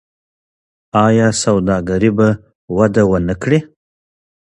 آیا سوداګري به وده ونه کړي؟